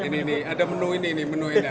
ini ini ada menu ini